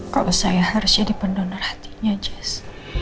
kalau saya harus jadi pendonor hatinya jazz